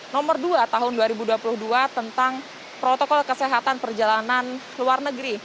nomor dua tahun dua ribu dua puluh dua tentang protokol kesehatan perjalanan luar negeri